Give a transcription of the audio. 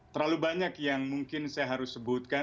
terlalu banyak yang mungkin saya harus sebutkan